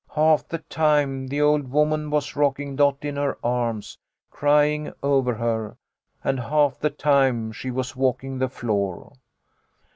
Half the time the old woman was rocking Dot in her arms, crying over her, and half the time she was walking the floor.